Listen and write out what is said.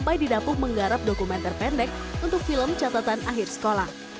dan di dapur menggarap dokumenter pendek untuk film catatan akhir sekolah